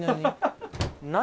何？